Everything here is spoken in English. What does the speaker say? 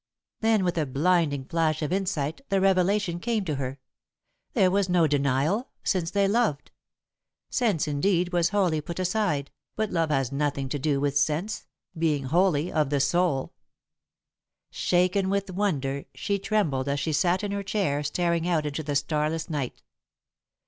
Then, with a blinding flash of insight, the revelation came to her there was no denial, since they loved. Sense, indeed, was wholly put aside, but love has nothing to do with sense, being wholly of the soul. Shaken with wonder, she trembled as she sat in her chair, staring out into the starless night.